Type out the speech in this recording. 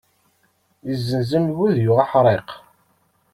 Yezzenz amgud yuɣ aḥriq.